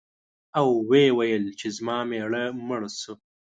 او ویل یې چې زما مېړه مړ شو.